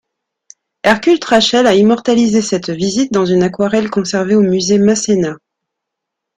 Hercule Trachel a immortalisé cette visite dans une aquarelle conservée au Musée Masséna.